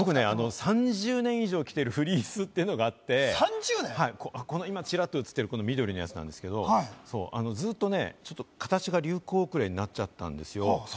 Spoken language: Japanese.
僕は３０年以上、着ているフリースっていうのがあって、今、チラっと映ってるこの緑のやつなんですけど、ずっと形が流行遅れになっちゃったんですよ。